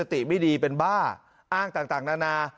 สติไม่ดีเป็นบ้าอ้างต่างนานา